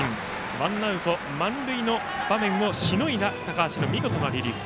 ワンアウト満塁の場面をしのいだ高橋の見事なリリーフ。